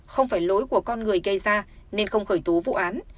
không phải lỗi của con người gây ra nên không khởi tố vụ án